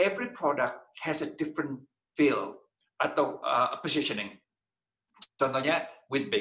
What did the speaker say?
setiap produk memiliki posisi produk yang berbeda